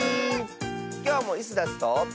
きょうもイスダスと。